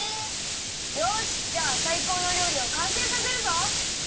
よしじゃあさいこうのりょうりをかんせいさせるぞ！